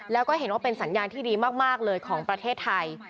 แล้วก็เห็นว่าเป็นสัญญาณที่ดีมากเลยของประเทศไทย